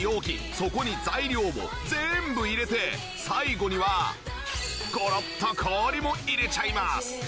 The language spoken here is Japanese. そこに材料を全部入れて最後にはゴロッと氷も入れちゃいます！